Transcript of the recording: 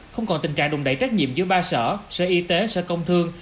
không còn tình trạng đùng đẩy trách nhiệm giữa ba sở sở y tế sở công thương